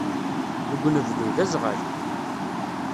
Deg unebdu, d aẓɣal.